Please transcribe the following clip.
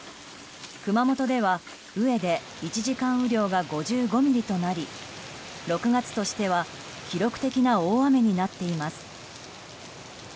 熊本では上で１時間雨量が５５ミリとなり６月としては記録的な大雨になっています。